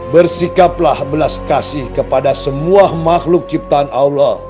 bersikaplah belas kasih kepada semua makhluk ciptaan allah